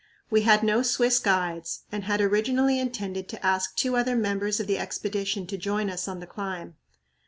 We had no Swiss guides, and had originally intended to ask two other members of the Expedition to join us on the climb.